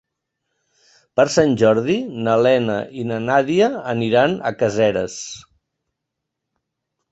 Per Sant Jordi na Lena i na Nàdia aniran a Caseres.